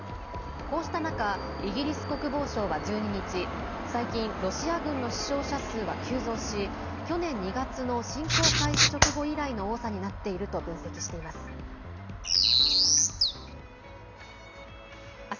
こうした中イギリス国防省は１２日最近ロシア軍の死傷者数は急増し去年２月の侵攻開始直後以来の多さになっていると分析しています。